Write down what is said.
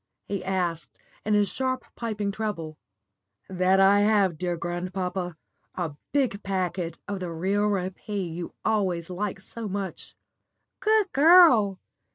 he asked, in his sharp, piping treble. "That I have, dear grandpapa a big packet of the real rappee you always like so much." "Good girl.